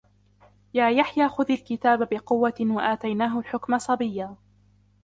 يا يحيى خذ الكتاب بقوة وآتيناه الحكم صبيا